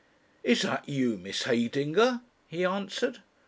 "Is that you, Miss Heydinger?" he answered.